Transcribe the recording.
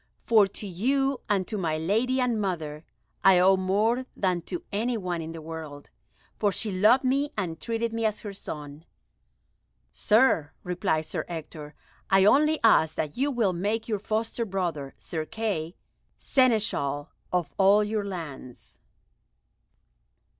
For to you, and to my lady and mother, I owe more than to any one in the world, for she loved me and treated me as her son." "Sir," replied Sir Ector, "I only ask that you will make your foster brother, Sir Kay, Seneschal of all your lands."